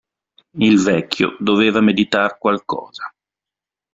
Il vecchio doveva meditar qualcosa.